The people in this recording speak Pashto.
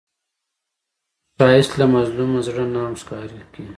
ښایست له مظلوم زړه نه هم ښکاري